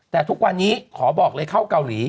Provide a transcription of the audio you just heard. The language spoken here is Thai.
แต่ทุกวันนี้ขอบอกเลยเข้าเกาหลี